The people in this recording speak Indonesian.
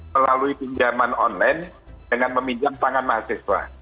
melalui pinjaman online dengan meminjam tangan mahasiswa